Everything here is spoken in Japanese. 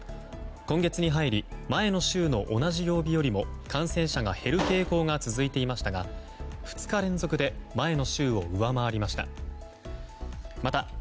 今月に入り前の週の同じ曜日よりも感染者が減る傾向が続いていましたが２日連続で前の週を上回りました。